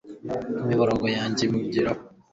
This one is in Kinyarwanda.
imiborogo yanjye imugeraho